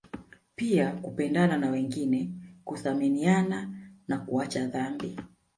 Pia kupendana na wengine kuthaminiana na kuacha dhambi